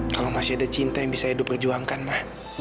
kalau masih ada cinta yang bisa edo perjuangkan ma